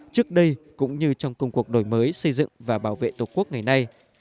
trước đây cũng như trong công cuộc đổi mới xây dựng và bảo vệ tổ quốc ngày nay